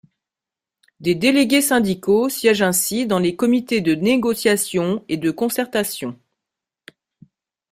Des délégués syndicaux siègent ainsi dans les comités de négociation et de concertation.